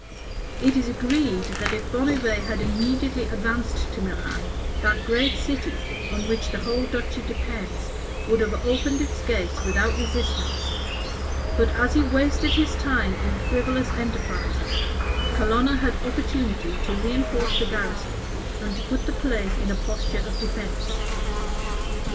It is agreed, that if Bonnivet had immediately advanced to Milan, that great city, on which the whole duchy depends, would have opened its gates without resistance: but as he wasted his time in frivolous enterprises, Colonna had opportunity to reënforce the garrison, and to put the place in a posture of defence.